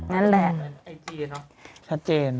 นั่นแหละชัดเจน